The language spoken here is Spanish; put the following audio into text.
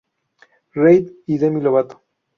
Reid y Demi Lovato.